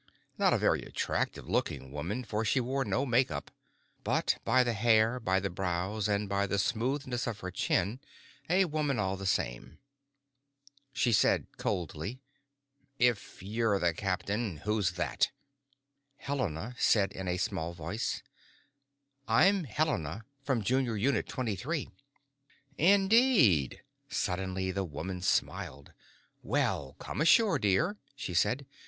Not a very attractive looking woman, for she wore no makeup; but by the hair, by the brows and by the smoothness of her chin, a woman all the same. She said coldly, "If you're the captain, who's that?" Helena said in a small voice, "I'm Helena, from Junior Unit Twenty Three." "Indeed." Suddenly the woman smiled. "Well, come ashore, dear," she said.